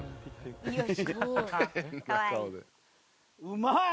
うまい？